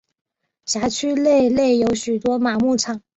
辖区内内有许多马牧场。